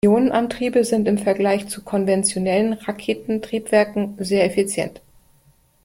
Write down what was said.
Ionenantriebe sind im Vergleich zu konventionellen Raketentriebwerken sehr effizient.